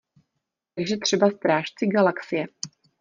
Takže třeba Strážci galaxie.